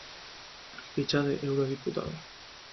Ficha de eurodiputado